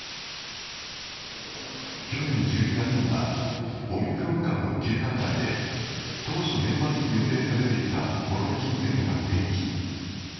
去年１２月には、オミクロン株の急拡大で、当初年末に予定されていたゴロフキン戦が延期。